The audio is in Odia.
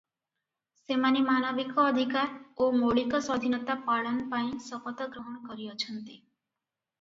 ସେମାନେ ମାନବିକ ଅଧିକାର ଓ ମୌଳିକ ସ୍ୱାଧୀନତା ପାଳନ ପାଇଁ ଶପଥ ଗ୍ରହଣ କରିଅଛନ୍ତି ।